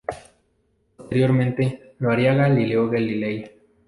Posteriormente lo haría Galileo Galilei.